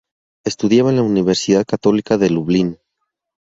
Estudiaba en la Universidad Católica de Lublin.